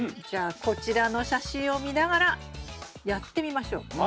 じゃあこちらの写真を見ながらやってみましょう。